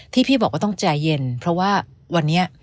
ที่พี่บอกว่าต้องใจเย็นเพราะว่าวันนี้